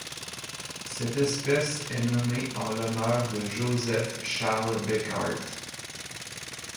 Cette espèce est nommée en l'honneur de Joseph Charles Bequaert.